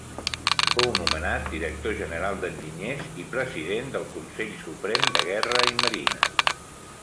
Fou nomenat Director general d'Enginyers i president del Consell Suprem de Guerra i Marina.